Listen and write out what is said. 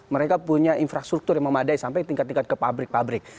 mereka punya infrastruktur yang memadai sampai tingkat tingkat ke pabrik pabrik